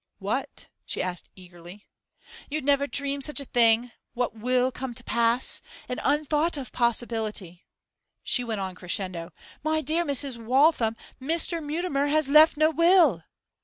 'What?' she asked eagerly. 'You'd never dream such a thing! what will come to pass! An unthought of possibility!' She went on crescendo. 'My dear Mrs. Waltham, Mr. Mutimer has left no will!